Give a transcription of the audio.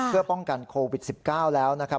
เพื่อป้องกันโควิด๑๙แล้วนะครับ